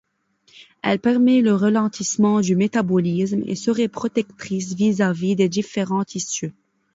Elle permet le ralentissement du métabolisme et serait protectrice vis-à-vis des différents tissus.